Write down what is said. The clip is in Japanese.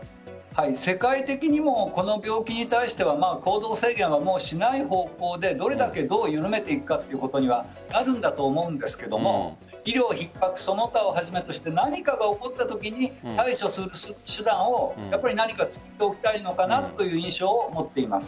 世界的にもこの病気に対しては行動制限はもうしない方向でどれだけどう緩めていくかということにはあるんだと思うんですが医療ひっ迫その他をはじめとして何かが起こったときに対処する手段を何か作っておきたいのかなという印象を持っています。